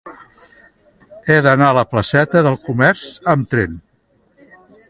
He d'anar a la placeta del Comerç amb tren.